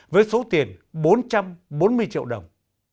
với số tiền bốn trăm bốn mươi triệu đồng